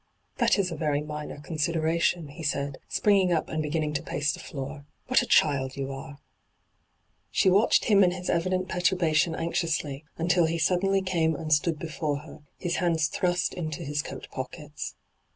' That is a very minor consideration,' he said, springing up and beginning to pace the floor. ' What a child you are !' She watched him and his evident perturba tion anxiously, until he suddenly came and stood before her, his hands thrust into his coat pockets.